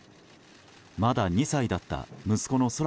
まだ２歳だった息子の空来